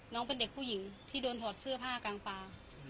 น้องเป็นเด็กผู้หญิงที่โดนถอดเสื้อผ้ากลางปลา